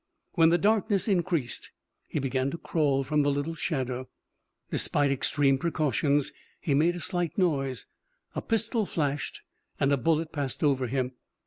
When the darkness increased, he began to crawl from the little shallow. Despite extreme precautions he made a slight noise. A pistol flashed and a bullet passed over him.